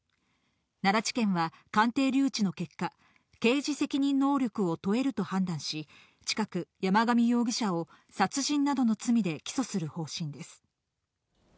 奈良地検は、鑑定留置の結果、刑事責任能力を問えると判断し、近く、山上容疑者を殺人などの罪で起訴する方針です。